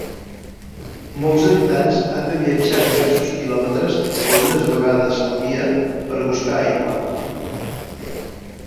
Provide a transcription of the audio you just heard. Molts habitants han de viatjar diversos quilòmetres algunes vegades al dia per a buscar aigua.